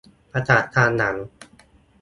ประกาศตามหลัง